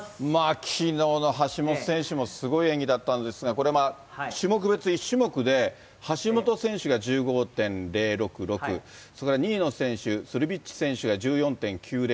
きのうの橋本選手もすごい演技だったんですが、これは種目別１種目で、橋本選手が１５．０６６、それから２位の選手、スルビッチ選手が１４．９００。